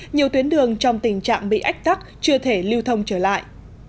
nhiều tuyến đường trong tình trạng bị ách tắc chưa thể lưu thông trở lại